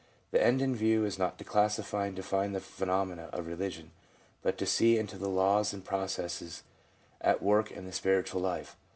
The end in view is not to classify and define the phenomena of religion, but to see into the laws and processes at work in the spiritual life.